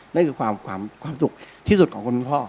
นั่นคือความสุขที่สุดของคนคุณพ่อ